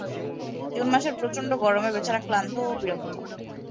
June মাসের প্রচণ্ড গরমে বেচারা ক্লান্ত ও বিরক্ত।